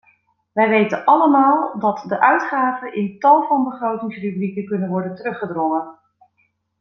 Wij weten allemaal dat de uitgaven in tal van begrotingsrubrieken kunnen worden teruggedrongen.